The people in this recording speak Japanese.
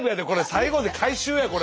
最後で回収やこれ。